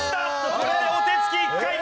これでお手つき１回目。